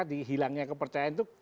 tadi hilangnya kepercayaan itu tidak